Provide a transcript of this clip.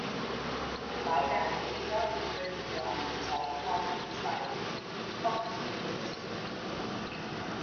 Beide Anleger können für einen Zeitraum entscheiden, ob sie investieren wollen.